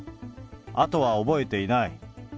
あとは覚えていない。